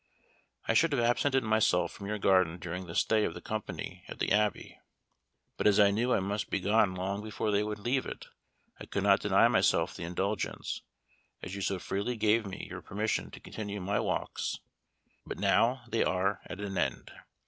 I should have absented myself from your garden during the stay of the company at the Abbey, but, as I knew I must be gone long before they would leave it, I could not deny myself the indulgence, as you so freely gave me your permission to continue my walks, but now they are at an end.